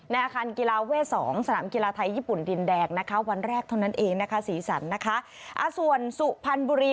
ในอาคารกีฬาเวช๒สถานกีฬาไทยยี่ปุ่นดินแดดวันแรกเท่านั้นเองนะคะศีรษรอัสซวนสุภัณฑุรี